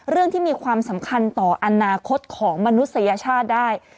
ที่มีความสำคัญต่ออนาคตของมนุษยชาติได้